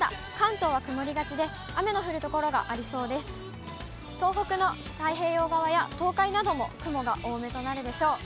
東北の太平洋側や東海なども雲が多めとなるでしょう。